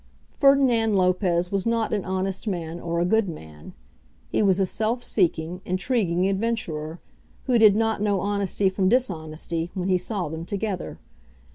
Ferdinand Lopez was not an honest man or a good man. He was a self seeking, intriguing adventurer, who did not know honesty from dishonesty when he saw them together.